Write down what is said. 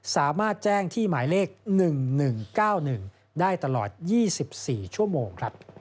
สามารถแจ้งที่หมายเลข๑๑๙๑ได้ตลอด๒๔ชั่วโมง